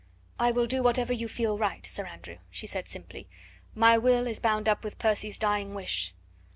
"I will do whatever you think right, Sir Andrew," she said simply; "my will is bound up with Percy's dying wish.